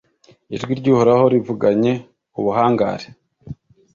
ijwi ry'uhoraho rivuganye ubuhangare